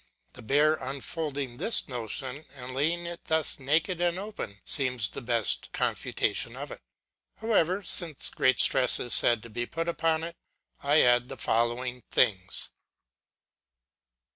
The bare unfolding this notion, and laying it thus naked and open, seems the best confutation of it. However, since great stress is said to be put upon it, I add the following things.